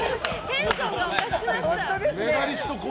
テンションがおかしくなっちゃう。